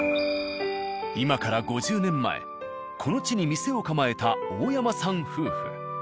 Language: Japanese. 今から５０年前この地に店を構えた大山さん夫婦。